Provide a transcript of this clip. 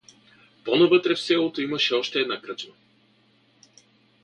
По-навътре в селото имаше още една кръчма.